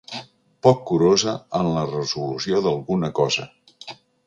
Poc curosa en la resolució d'alguna cosa.